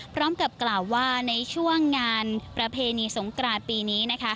พร้อมกับกล่าวว่าในช่วงงานประเพณีสงกรานปีนี้